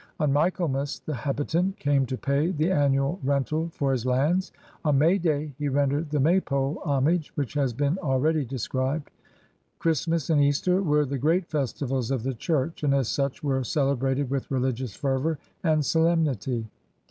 On Michaelmas the hab itant came to pay the annual rental for his lands; on May Day he rendered the Maypole hom age which has been already described. Christ mas and Easter were the great festivals of the Church and as such were celebrated with religious fervor and solemnity.